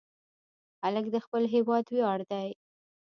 هلک د خپل هېواد ویاړ دی.